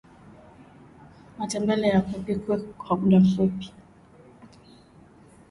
matembele yakupikwe kwa mda mfupi